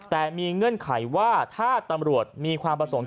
แต่มีเงื่อนไขว่าถ้าตำรวจมีความประสงค์